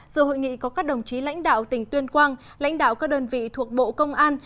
dù hội nghị có các đồng chí lãnh đạo tỉnh tuyên quang lãnh đạo các đơn vị thuộc bộ công an